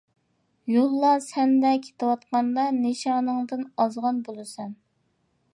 يوللار سەندە كېتىۋاتقاندا، نىشانىڭدىن ئازغان بولىسەن.